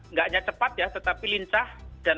nggak hanya cepat ya tetapi lincah dan adat